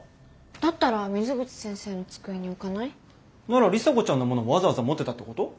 だったら水口先生の机に置かない？なら里紗子ちゃんのものをわざわざ持ってたってこと？